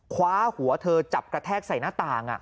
คว้าหัวเธอจับกระแทกใส่หน้าต่าง